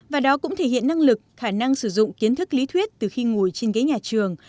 và đó cũng thể hiện năng lực khả năng sử dụng kiến thức lý thuyết từ khi ngồi trên ghế nhà trường